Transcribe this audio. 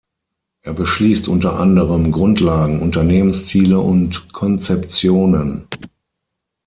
Er beschließt unter anderem Grundlagen, Unternehmensziele und Konzeptionen.